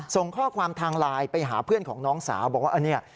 ส่งข้อความทางไลน์ไปหาเพื่อนของน้องสาวบอกว่าอันนี้